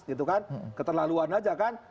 gitu kan keterlaluan aja kan